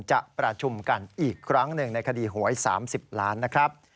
จะประชุมกันอีกครั้งหนึ่งในคดีหวย๓๐ล้านนะครับ